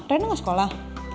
tere gak ke sekolah